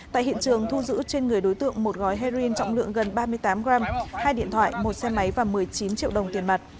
tại hiện trường thu giữ trên người đối tượng một gói heroin trọng lượng gần ba mươi tám g hai điện thoại một xe máy và một mươi chín triệu đồng tiền mặt